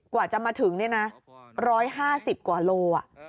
กว่าจะมาถึง๑๕๐กว่าโลกรัม